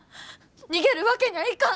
逃げるわけにゃあいかん！